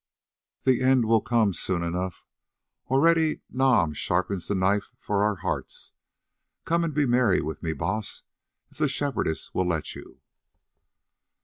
The end will come soon enough. Already Nam sharpens the knife for our hearts. Come and be merry with me, Baas, if the Shepherdess will let you."